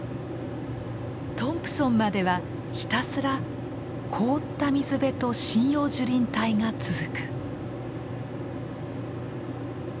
トンプソンまではひたすら凍った水辺と針葉樹林帯が続く。